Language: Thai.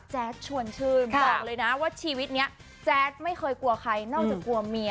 ชวนชื่นบอกเลยนะว่าชีวิตนี้แจ๊ดไม่เคยกลัวใครนอกจากกลัวเมีย